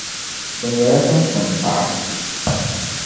O nyɛla tinkpaŋ paɣa.